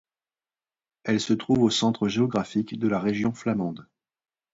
Elle se trouve au centre géographique de la Région flamande.